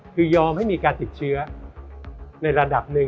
คือยอมให้มีการติดเชื้อในระดับหนึ่ง